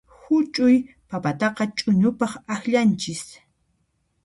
Huch'uy papataqa ch'uñupaq akllanchis.